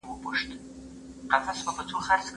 دا مېوې د هېواد په سړو سیمو کې پیدا کیږي.